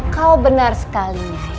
kau benar sekali